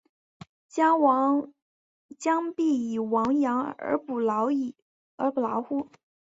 将必俟亡羊而始补牢乎！